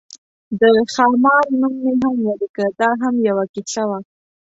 د خامار نوم مې هم ولیکه، دا هم یوه کیسه وه.